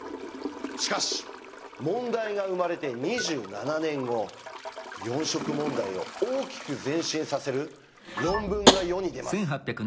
しかし問題が生まれて２７年後四色問題を大きく前進させる論文が世に出ます。